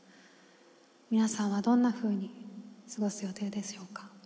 皆さんはどんなふうに過ごす予定でしょうか。